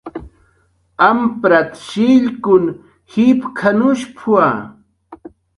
"Amprat"" shillkun jipk""anushp""wa "